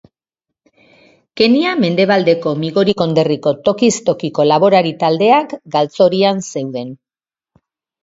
Kenya mendebaldeko Migori konderriko tokiz tokiko laborari taldeak galtzorian zeuden.